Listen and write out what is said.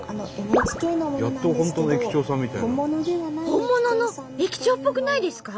本物の駅長っぽくないですか？